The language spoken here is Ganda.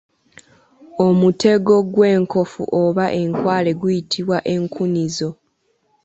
Omutego gwenkofu oba enkwale guyitibwa Enkunizo.